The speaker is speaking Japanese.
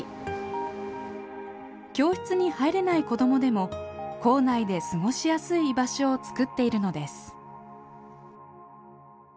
教室に入れない子どもでも校内で過ごしやすい居場所をつくっているのです。